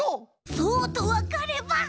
そうとわかれば。